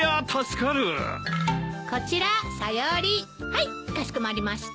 かしこまりました。